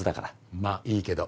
まあいいけど。